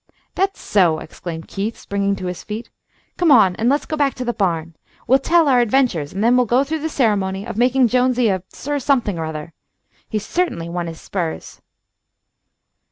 "That's so!" exclaimed Keith, springing to his feet. "Come on and let's go back to the barn. We'll tell our adventures, and then we'll go through the ceremony of making Jonesy a Sir Something or other. He's certainly won his spurs."